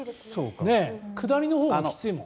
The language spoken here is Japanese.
下りのほうがきついもん。